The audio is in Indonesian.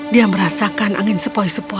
dia merasakan angin sepoi sepoi